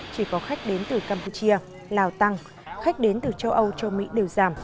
chỉ có khách đến từ campuchia lào tăng khách đến từ châu âu châu mỹ đều giảm